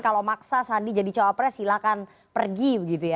kalau maksa sandi jadi cawapres silahkan pergi begitu ya